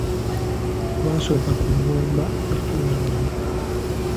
Twasoka kuyomba nga tetunalwana!